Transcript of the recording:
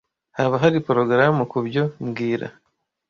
Haba hari porogaramu kubyo mbwira